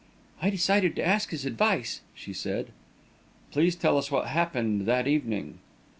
"I decided to ask his advice," she said. "Please tell us what happened that evening."